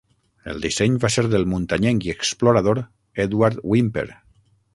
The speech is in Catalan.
El disseny va ser del muntanyenc i explorador Edward Whymper.